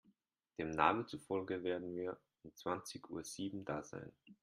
Dem Navi zufolge werden wir um zwanzig Uhr sieben da sein.